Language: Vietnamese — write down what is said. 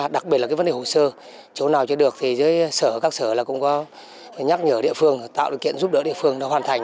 đặc biệt là vấn đề hồ sơ chỗ nào chỉ được thì các sở cũng nhắc nhở địa phương tạo điều kiện giúp đỡ địa phương hoàn thành hồ sơ